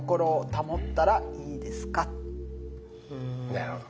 なるほど。